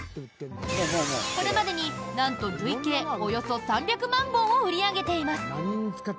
これまでに、なんと累計およそ３００万本を売り上げています。